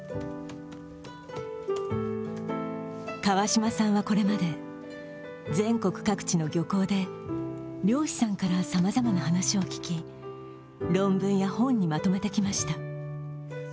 川島さんはこれまで全国各地の漁港で漁師さんから様々な話を聞き、論文や本にまとめてきました。